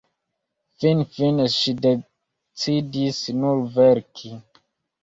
Finfine ŝi decidis nur verki.